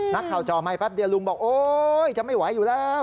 จอใหม่แป๊บเดียวลุงบอกโอ๊ยจะไม่ไหวอยู่แล้ว